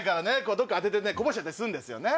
どっか当ててねこぼしちゃったりするんですよ。